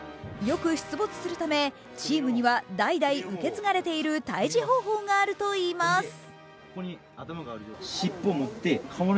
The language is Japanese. よく出没するため、チームには代々受け継がれている退治方法があるといいます。